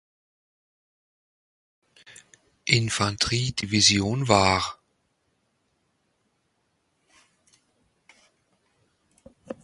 Infanteriedivision war.